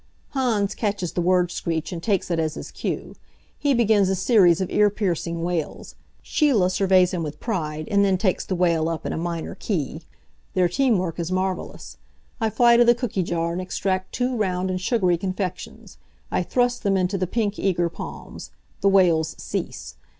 Hans catches the word screech and takes it as his cue. He begins a series of ear piercing wails. Sheila surveys him with pride and then takes the wail up in a minor key. Their teamwork is marvelous. I fly to the cooky jar and extract two round and sugary confections. I thrust them into the pink, eager palms. The wails cease.